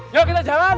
yuk kita jalan